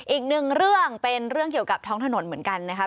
อีกหนึ่งเรื่องเป็นเรื่องเกี่ยวกับท้องถนนเหมือนกันนะครับ